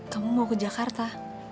kamu mau ke jakarta